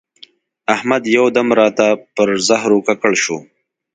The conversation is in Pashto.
احمد یو دم راته پر زهرو ککړ شو.